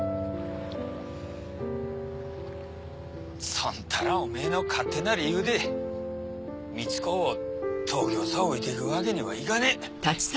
そんたらおめえの勝手な理由でみち子を東京さ置いていくわけにはいかねえ。